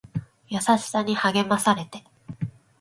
優しさに励まされて